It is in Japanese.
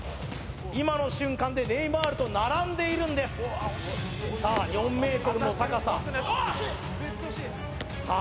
今の瞬間でネイマールと並んでいるんですさあ４ｍの高ささあ